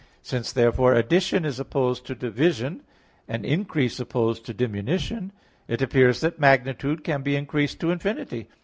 Since therefore addition is opposed to division, and increase opposed to diminution, it appears that magnitude can be increased to infinity.